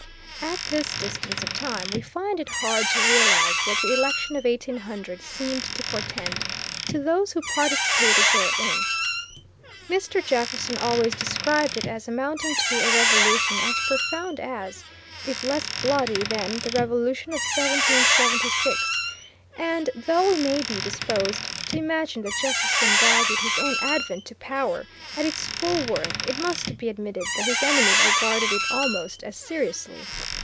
At this distance of time we find it hard to realize what the election of 1800 seemed to portend to those who participated therein. Mr. Jefferson always described it as amounting to a revolution as profound as, if less bloody than, the revolution of 1776, and though we maybe disposed to imagine that Jefferson valued his own advent to power at its full worth, it must be admitted that his enemies regarded it almost as seriously.